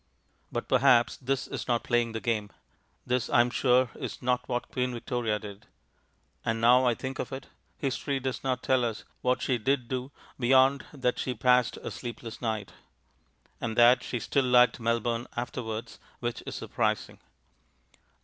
But perhaps this is not playing the game. This, I am sure, is not what Queen Victoria did. And now I think of it, history does not tell us what she did do, beyond that she passed a sleepless night. (And that she still liked Melbourne afterwards which is surprising.)